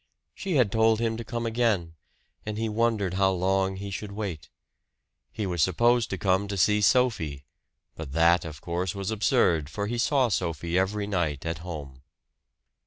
She had told him to come again; and he wondered how long he should wait. He was supposed to come to see Sophie but that, of course, was absurd, for he saw Sophie every night at home.